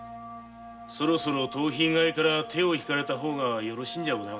そろそろ盗品買いから手を引かれた方がよろしいかと。